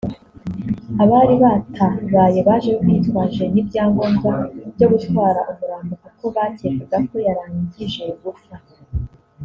Abari batabaye baje bitwaje n’ibyangombwa byo gutwara umurambo kuko bakekaga ko yarangije gupfa